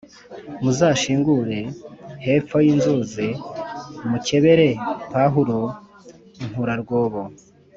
muzanshingure hepfo y’inzuzi, mukebere Pahulo inkurarwobo